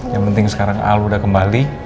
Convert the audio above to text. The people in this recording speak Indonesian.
yang penting sekarang al sudah kembali